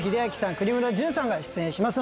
國村隼さんが出演します